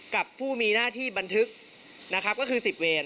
กับผู้มีหน้าที่บันทึกก็คือ๑๐เวน